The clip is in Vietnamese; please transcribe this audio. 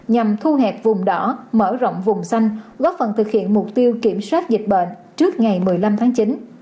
nhằm thu hẹp vùng đỏ mở rộng vùng xanh góp phần thực hiện mục tiêu kiểm soát dịch bệnh trước ngày một mươi năm tháng chín